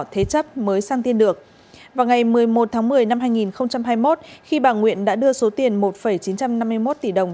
thế chấp mới sang tiên được vào ngày một mươi một tháng một mươi năm hai nghìn hai mươi một khi bà nguyện đã đưa số tiền một chín trăm năm mươi một tỷ đồng